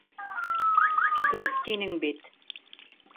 Бөт тинең бит!